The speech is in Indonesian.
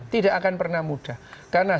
tidak akan pernah mudah karena